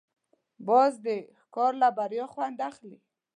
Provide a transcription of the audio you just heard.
باز د ښکار له بریا خوند اخلي